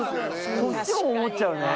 そっちも思っちゃうね。